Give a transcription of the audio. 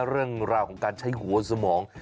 เรื่องราวของการใช้หัวสมอง